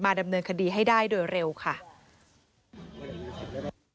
ดำเนินคดีให้ได้โดยเร็วค่ะ